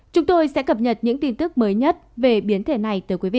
chúng tôi sẽ cập nhật những tin tức mới nhất về biến thể này tới quý vị